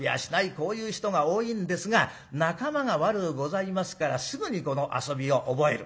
こういう人が多いんですが仲間が悪うございますからすぐにこの遊びを覚える。